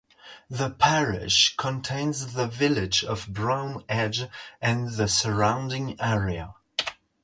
The parish contains the village of Brown Edge and the surrounding area.